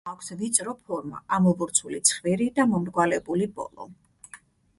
ნავს აქვს ვიწრო ფორმა, ამობურცული ცხვირი და მომრგვალებული ბოლო.